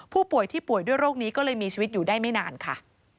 ผู้ป่วยที่ป่วยด้วยโรคนี้ก็เลยมีชีวิตอยู่ได้ไม่นานค่ะ